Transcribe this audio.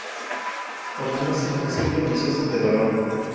Formándose un círculo vicioso de dolor.